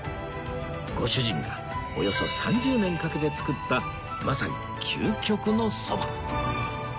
ご主人がおよそ３０年かけて作ったまさに究極のそば